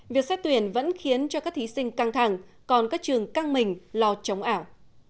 việc xét tuyển vẫn khiến cho các thí sinh căng thẳng còn các trường căng mình lo chống ảo